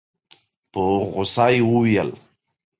په غوسه يې وويل.